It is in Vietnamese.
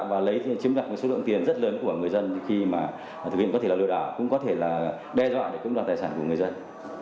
và lấy chiếm đặt một số lượng tiền rất lớn của người dân khi mà thực hiện có thể là lừa đảo cũng có thể là đe dọa để cưỡng lập tài sản của người dân